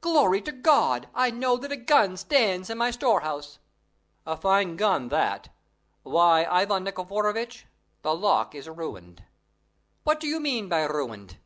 Glory to God! I know that a gun stands in my storehouse." "A fine gun that! Why, Ivan Nikiforovitch, the lock is ruined." "What do you mean by ruined?